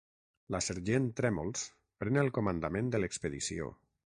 La sergent Trèmols pren el comandament de l'expedició.